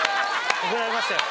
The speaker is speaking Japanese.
怒られましたよ。